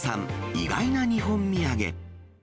意外な日本土産。